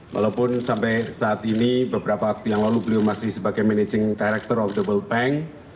walaupun sampai saat ini beberapa waktu yang lalu beliau masih sebagai managing director of the world bank